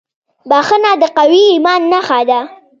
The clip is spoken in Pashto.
• بښنه د قوي ایمان نښه ده.